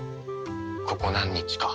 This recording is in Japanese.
ここ何日か。